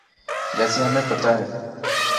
جیسے ہمیں پتہ ہے۔